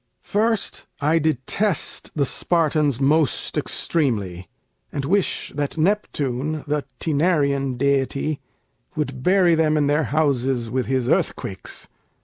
First, I detest the Spartans most extremely; And wish that Neptune, the Tænarian deity, Would bury them in their houses with his earthquakes.